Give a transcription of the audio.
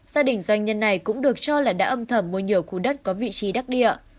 gia đình doanh nhân này cũng được cho là đã âm thầm mua nhiều khu đất có vị trí đắc địa